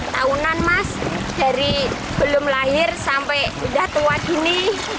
tahunan mas dari belum lahir sampai udah tua gini